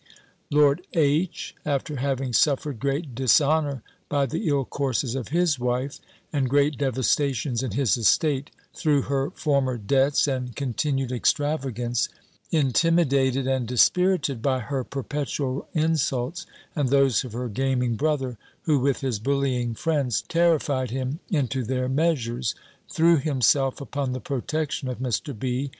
Lord H., after having suffered great dishonour by the ill courses of his wife, and great devastations in his estate, through her former debts, and continued extravagance (intimidated and dispirited by her perpetual insults, and those of her gaming brother, who with his bullying friends, terrified him into their measures), threw himself upon the protection of Mr. B.